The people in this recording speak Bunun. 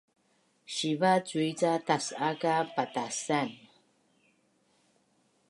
siva cui ca tas’a ka papatasan